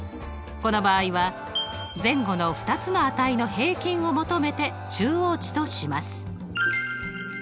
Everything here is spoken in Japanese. この場合は前後の２つの値の平均を求めて中央値とします。